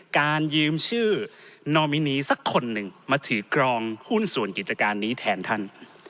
การยืมชื่อนอมินีสักคนหนึ่งมาถือกรองหุ้นส่วนกิจการนี้แทนท่าน